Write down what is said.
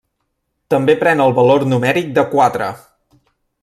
També pren el valor numèric de quatre.